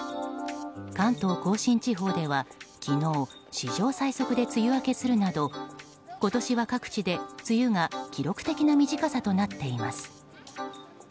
関東・甲信地方では、昨日史上最速で梅雨明けするなど今年は各地で、梅雨が記録的な短さとなっています。